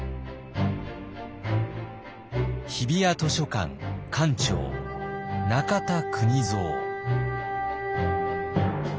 日比谷図書館館長中田邦造。